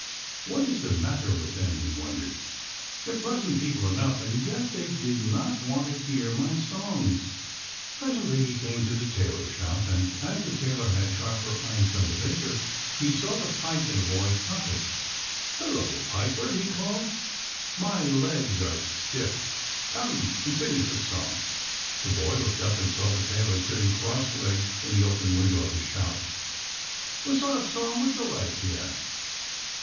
"What is the matter with them?" he wondered. " They're pleasant people enough, and yet they did not want to hear my songs." Presently he came to the tailor's shop, and as the tailor had sharper eyes than the baker, he saw the pipe in the boy's pocket. " Hullo, piper !" he called. " My legs are stiff. Come and sing us a song !" The boy looked up and saw the tailor sitting cross legged in the open window of his shop. " What sort of song would you like ?" he asked.